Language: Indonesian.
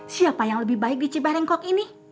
siapa yang lebih baik di cibah rengkok ini